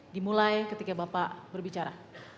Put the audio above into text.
dimulai ketika bapak berbicara